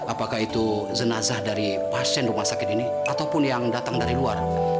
apakah itu jenazah dari pasien rumah sakit ini ataupun yang datang dari luar